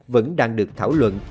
vẫn đang được thảo luận